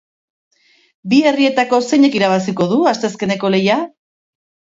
Bi herrietako zeinek irabaziko du asteazkeneko lehia?